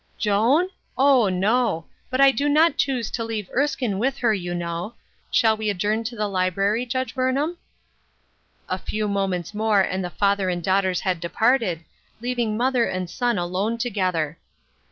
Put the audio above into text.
"Joan? O, no! but I do not choose to leave Erskine with her, you know. Shall we adjourn to the library, Judge Burnham ?" A few moments more and the father and daugh ters had departed, leaving mother and son alone together.